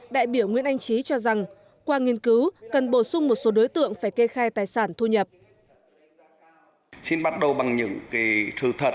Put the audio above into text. đại biểu nguyễn anh trí cho rằng qua nghiên cứu cần bổ sung một số đối tượng phải kê khai tài sản thu nhập